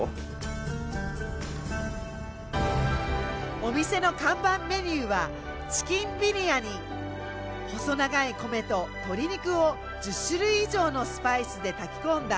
お店の看板メニューは細長い米と鶏肉を１０種類以上のスパイスで炊き込んだ一品。